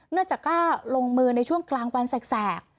จากกล้าลงมือในช่วงกลางวันแสก